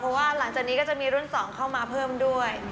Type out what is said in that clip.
เพราะว่าหลังจากนี้ก็จะมีรุ่นสองเข้ามาเพิ่มด้วย